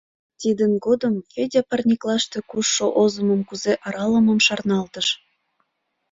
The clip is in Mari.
Тидын годым Федя парниклаште кушшо озымым кузе аралымым шарналтыш.